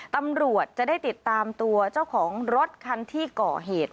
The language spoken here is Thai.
ตำรวจจะได้ติดตามตัวเจ้าของรถคันที่ก่อเหตุ